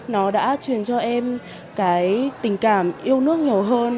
nó đã truyền cho em cái tình cảm yêu nước nhiều hơn